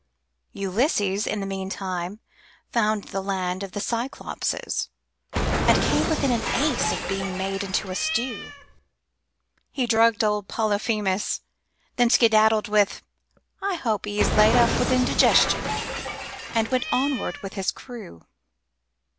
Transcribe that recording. Ulysses, in the meantime, found the land of the Cyclopes, And came within an ace of being made into a stew. He drugged old Polyphemus, then skedaddled with: "I hope 'e's Laid up with indigestion," and went onward with his crew.